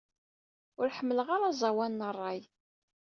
Ur ḥemmleɣ ara aẓawan n ṛṛay.